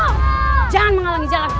jangan mengalami jalan itu